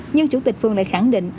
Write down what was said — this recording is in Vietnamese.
nhưng chủ tịch phường lại khẳng định